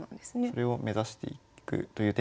それを目指していくという展開になります。